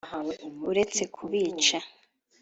uretse kubica